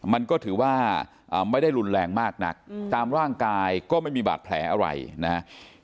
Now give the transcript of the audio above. มันก็ถือว่าไม่ได้รุนแรงมากนักตามร่างกายก็ไม่มีบาดแผลอะไรนะครับ